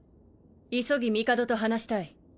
急ぎ帝と話したい。